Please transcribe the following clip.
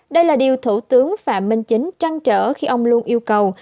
đây là điều thủ tướng và minh chính trăn trở khi ông luôn yêu cầu